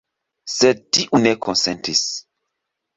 Sed tiu ne konsentis.